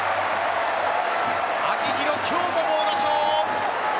秋広、今日も猛打賞。